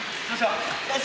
よし。